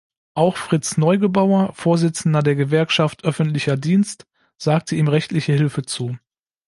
Auch Fritz Neugebauer, Vorsitzender der Gewerkschaft öffentlicher Dienst, sagte ihm rechtliche Hilfe zu.